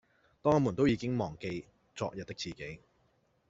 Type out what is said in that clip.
當我們都已經忘記昨日的自己